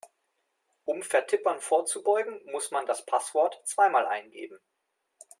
Um Vertippern vorzubeugen, muss man das Passwort zweimal eingeben.